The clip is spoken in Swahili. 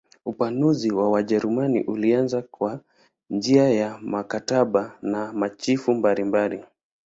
Upanuzi wa Wajerumani ulianza kwa njia ya mikataba na machifu mbalimbali.